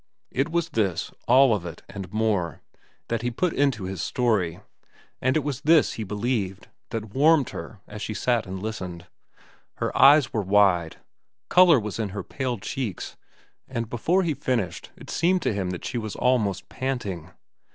It was this, all of it, and more, that he had put into his story, and it was this, he believed, that warmed her as she sat and listened. Her eyes were wide, color was in her pale cheeks, and before he finished it seemed to him that she was almost panting.